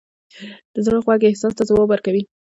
د زړه غوږ احساس ته ځواب ورکوي.